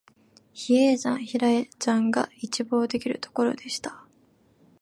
比叡山、比良山が一望できるところでした